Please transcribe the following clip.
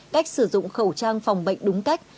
cách sử dụng khẩu trang phòng bệnh đúng cách